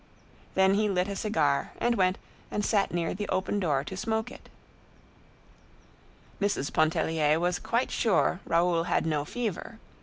Then he lit a cigar and went and sat near the open door to smoke it. Mrs. Pontellier was quite sure Raoul had no fever.